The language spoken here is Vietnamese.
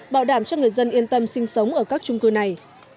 bảo đảm cho người dân yên tâm sinh sống ở các trung cư này